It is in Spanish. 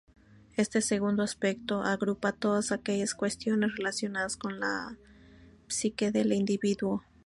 Este segundo aspecto agrupa todas aquellas cuestiones relacionadas con la psique del individuo.